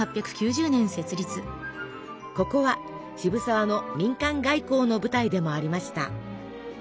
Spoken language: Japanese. ここは渋沢の民間外交の舞台でもありました。